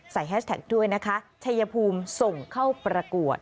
แฮชแท็กด้วยนะคะชัยภูมิส่งเข้าประกวด